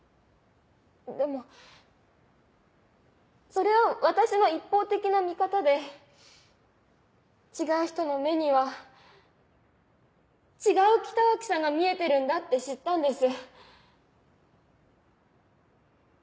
でもそれは私の一方的な見方で違う人の目には違う北脇さんが見えてるんだって知ったんです。